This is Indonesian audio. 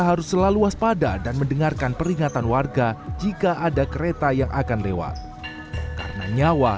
harus selalu waspada dan mendengarkan peringatan warga jika ada kereta yang akan lewat karena nyawa